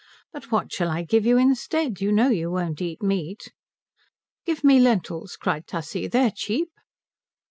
"But what shall I give you instead? You know you won't eat meat." "Give me lentils," cried Tussie. "They're cheap."